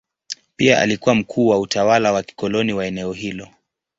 Pia alikuwa mkuu wa utawala wa kikoloni wa eneo hilo.